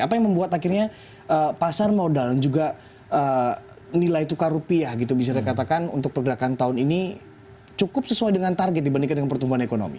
apa yang membuat akhirnya pasar modal juga nilai tukar rupiah gitu bisa dikatakan untuk pergerakan tahun ini cukup sesuai dengan target dibandingkan dengan pertumbuhan ekonomi